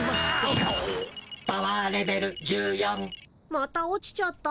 また落ちちゃった。